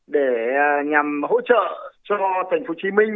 để nhằm hỗ trợ cho tp hcm